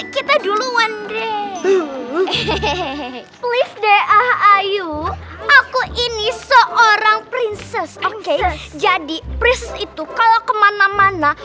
kita dulu one day hehehe please deh ah ayu aku ini seorang princess oke jadi prins itu kalau kemana mana